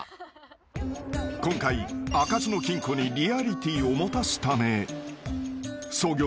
［今回開かずの金庫にリアリティーを持たすため］